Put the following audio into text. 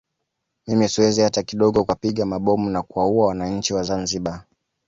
Mimi siwezi hata kidogo kuwapiga mabomu na kuwaua wananchi wa Zanzibar